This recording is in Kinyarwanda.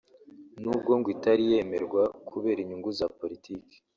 n’ubwo ngo itari yemerwa kubera inyungu za “politique”